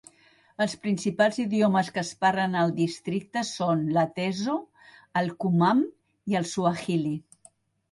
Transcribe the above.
Els principals idiomes que es parlen al districte són l'ateso, el kumam i el swahili.